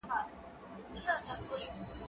زه واښه راوړلي دي،